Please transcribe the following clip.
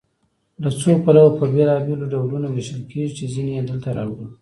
له څو پلوه په بېلابېلو ډولونو ویشل کیږي چې ځینې یې دلته راوړو.